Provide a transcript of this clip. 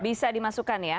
bisa dimasukkan ya